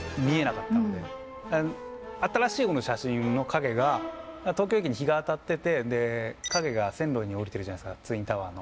新しい方の写真の影が東京駅に日が当たっててで影が線路におりてるじゃないですかツインタワーの。